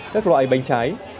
các loại bánh trái